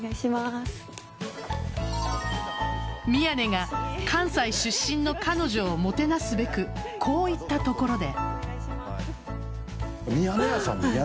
宮根が関西出身の彼女をもてなすべくこう言ったところで。